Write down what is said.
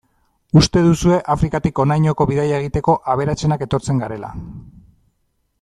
Uste duzue Afrikatik honainoko bidaia egiteko, aberatsenak etortzen garela.